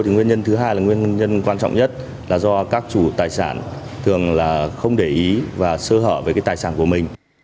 nguyên nhân thứ hai là nguyên nhân quan trọng nhất là do các chủ tài sản thường không để ý và sơ hở về tài sản của mình